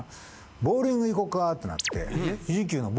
ボウリング行こかってなって。